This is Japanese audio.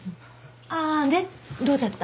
ああでどうだった？